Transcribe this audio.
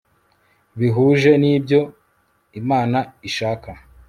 bihuje n ibyo Imana ishaka